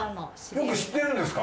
よく知ってるんですか？